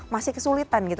masih kesulitan gitu